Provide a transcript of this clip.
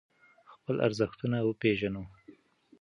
خپل ارزښتونه وپیژنو.